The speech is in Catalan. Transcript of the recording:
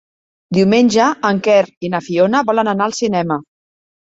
Diumenge en Quer i na Fiona volen anar al cinema.